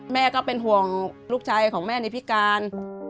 แม่ก็เป็นห่วงลูกชายของแม่ในพิการ